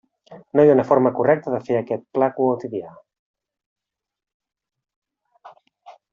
No hi ha una forma correcta de fer aquest plat quotidià.